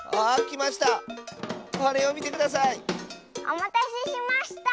おまたせしました！